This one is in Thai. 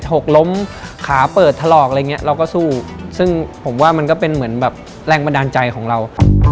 ฉกล้มขาเปิดถลอกอะไรอย่างเงี้ยเราก็สู้ซึ่งผมว่ามันก็เป็นเหมือนแบบแรงบันดาลใจของเราครับ